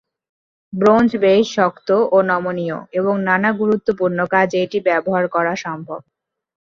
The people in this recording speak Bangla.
ব্রোঞ্জ বেশ শক্ত ও নমনীয় এবং নানা গুরুত্বপূর্ণ কাজে এটি ব্যবহার করা সম্ভব।